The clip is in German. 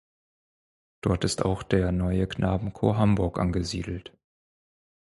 Dort ist auch der Neue Knabenchor Hamburg angesiedelt.